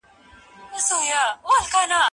خوله یې ډکه له دعاوو سوه ګویان سو